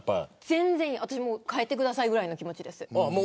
全然いい、私は変えてくださいぐらいの気持ちです。